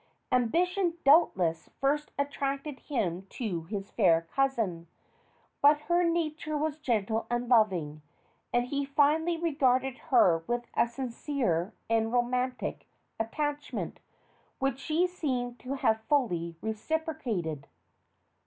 Ambition doubtless first attracted him to his fair cousin; but her nature was gentle and loving, and he finally regarded her with a sincere and romantic attachment, which she seems to have fully reciprocated.